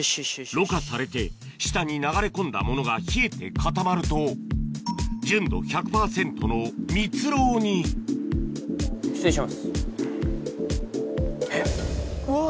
ろ過されて下に流れ込んだものが冷えて固まると純度１００％のミツロウにえっ。